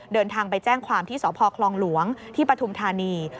เดินทางไปแจ้งความที่สพคลองหลวงที่ปฐุมธานี